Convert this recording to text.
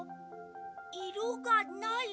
「いろがない？」。